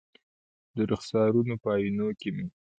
د رخسارونو په آئینو کې مې